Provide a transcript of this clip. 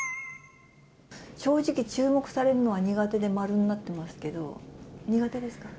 正直、注目されるのは苦手で〇になってますけど、苦手ですか？